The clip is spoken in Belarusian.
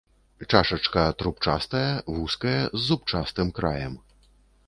Чашачка трубчастая, вузкая, з зубчастым краем.